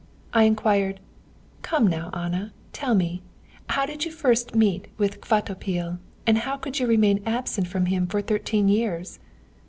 "I inquired: 'Come now, Anna, tell me, how did you first meet with Kvatopil, and how could you remain absent from him for thirteen years?'